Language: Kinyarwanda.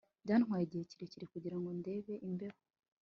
Byantwaye igihe kirekire kugira ngo ndenge imbeho